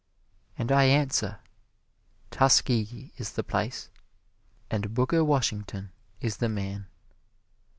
And I answer, Tuskegee is the place, and Booker Washington is the man.